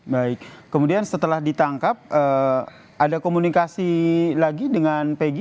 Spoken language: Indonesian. baik kemudian setelah ditangkap ada komunikasi lagi dengan peggy